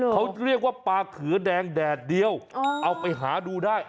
เขาเรียกว่าปลาเขือแดงแดดเดียวเอาไปหาดูได้